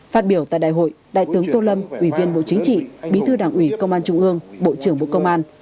phát biểu tại đại hội đại tướng tô lâm ủy viên bộ chính trị bí thư đảng ủy công an trung ương bộ trưởng bộ công an